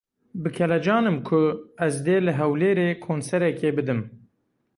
Bi kelecan im ku ez dê li Hewlêrê konserekê bidim.